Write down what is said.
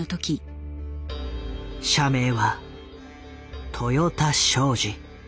社名は豊田商事。